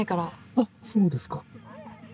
あっそうですか。